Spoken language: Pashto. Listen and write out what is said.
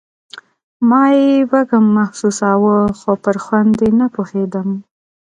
ما يې وږم محسوساوه خو پر خوند يې نه پوهېدم.